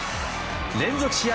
連続試合